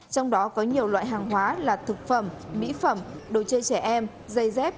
trong đó có nhiều loại hàng hóa là thực phẩm mỹ phẩm đồ chơi trẻ em dây dép